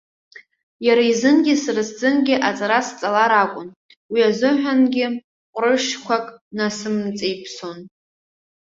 Иара изынгьы сара сзынгьы аҵара сҵалар акәын, уи азыҳәангьы ҟәрышьқәак насымҵеиԥсон.